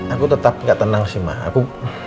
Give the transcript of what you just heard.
aku tetap gak tenang sih mbak aku